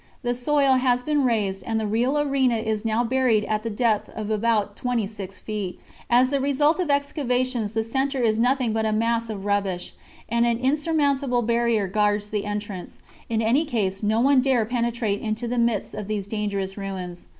The soil has been raised, and the real arena is now buried at the depth of about twenty six feet. As the result of excavations the centre is nothing but a mass of rubbish, and an insurmountable barrier guards the entrance; in any case no one dare penetrate into the midst of these dangerous ruins.